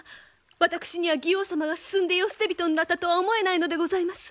私には妓王様が進んで世捨て人になったとは思えないのでございます。